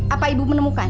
apa ibu menemukan